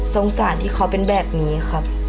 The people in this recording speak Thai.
สงสารที่เขาเป็นแบบนี้ครับ